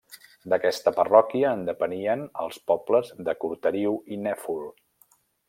D'aquesta parròquia en depenien els pobles de Cortariu i Nèfol.